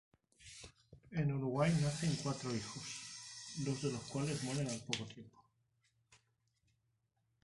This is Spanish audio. En Uruguay nacen cuatro hijos, dos de los cuales mueren al poco tiempo.